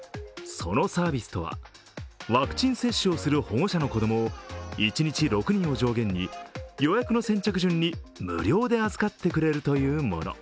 そのサービスとは、ワクチン接種をする保護者の子供を一日６人を上限に予約の先着順に無料で預かってくれるというもの。